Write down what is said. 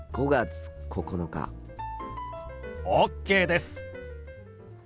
ＯＫです！